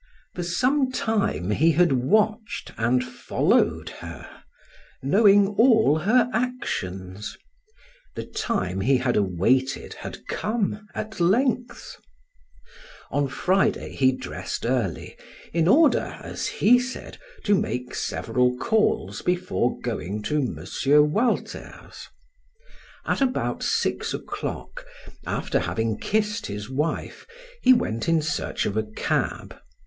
For some time he had watched and followed her, knowing all her actions. The time he had awaited had come at length. On Friday he dressed early, in order, as he said, to make several calls before going to M. Walter's. At about six o'clock, after having kissed his wife, he went in search of a cab.